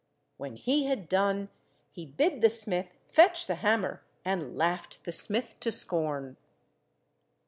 When he had done, he bid the smith fetch the hammer, and laughed the smith to scorn.